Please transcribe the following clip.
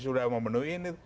sudah memenuhi ini